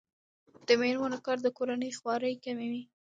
د میرمنو کار د کورنۍ خوارۍ کموي.